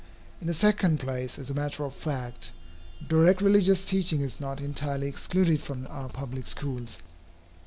In the second place, as a matter of fact, direct religious teaching is not entirely excluded from our public schools.